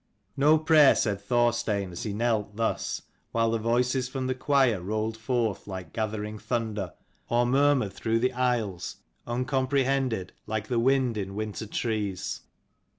No prayer said Thorstein as he knelt thus, while the voices from the choir rolled forth like gathering thunder, or murmured through the 254 aisles uncomprehended like the wind in winter trees.